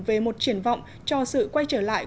về một triển vọng cho sự quay trở lại